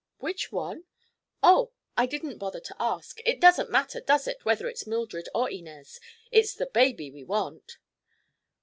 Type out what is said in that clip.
"Which one? Oh, I didn't bother to ask. It doesn't matter, does it, whether it's Mildred or Inez. It's the baby we want."